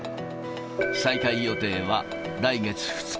再開予定は来月２日。